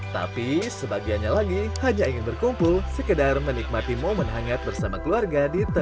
tapi sebagiannya lagi hanya ingin berkumpul sekedar menikmati momen hangat bersama keluarga